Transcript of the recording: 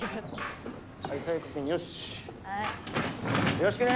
よろしくね！